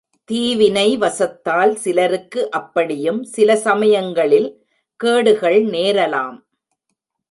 தீவினைவசத்தால் சிலருக்கு அப்படியும் சிலசமயங்களில் கேடுகள் நேரலாம்.